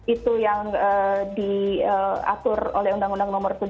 itu yang diatur oleh undang undang pelindungan anak